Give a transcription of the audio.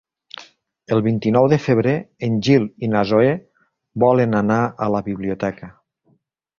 El vint-i-nou de febrer en Gil i na Zoè volen anar a la biblioteca.